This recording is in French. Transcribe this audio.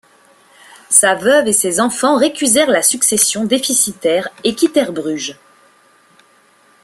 Sa veuve et ses enfants récusèrent la succession déficitaire et quittèrent Bruges.